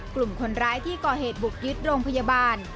กลุ่มคนร้ายที่ก่อเหตุบุกยึดโรงพยาบาล